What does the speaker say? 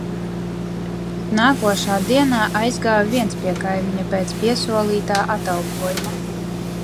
Nākošā dienā aizgāju viens pie kaimiņa pēc piesolītā atalgojuma.